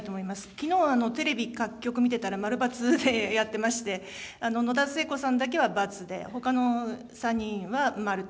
きのうはテレビ各局見てたら、○×でやってまして、野田聖子さんだけは×で、ほかの３人は〇と。